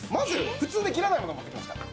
普通では切れないもの、持ってきました。